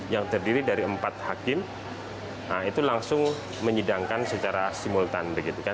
yang terdiri dari empat hakim itu langsung menyidangkan secara simultan